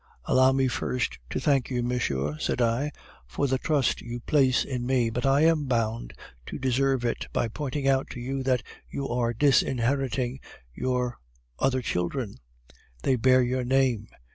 "'Allow me first to thank you, monsieur,' said I, 'for the trust you place me in. But I am bound to deserve it by pointing out to you that you are disinheriting your other children. They bear your name.